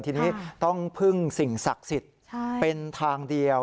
ทีนี้ต้องพึ่งสิ่งศักดิ์สิทธิ์เป็นทางเดียว